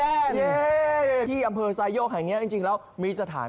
ที่อำเภอสายโยกแห่งนี้จริงแล้วมีสถานที่ท่องเที่ยวอะไรเด็ดดีมากครับ